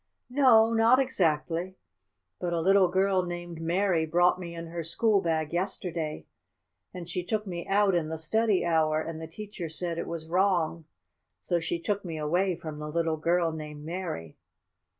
"No, not exactly. But a little girl named Mary brought me in her school bag yesterday, and she took me out in the study hour, and the teacher said it was wrong. So she took me away from the little girl named Mary."